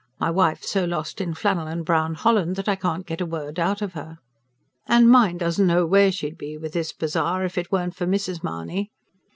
My wife's so lost in flannel and brown holland that I can't get a word out of her." "And mine doesn't know where she'd be, with this bazaar, if it weren't for Mrs. Mahony."